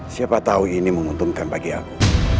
siapa tahu ini menguntungkan bagi aku